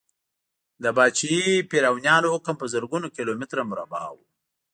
د پاچاهي فرعونیانو حکم په زرګونو کیلو متره مربع و.